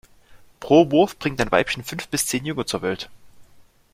Pro Wurf bringt ein Weibchen fünf bis zehn Junge zur Welt.